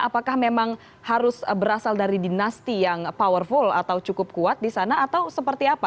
apakah memang harus berasal dari dinasti yang powerful atau cukup kuat di sana atau seperti apa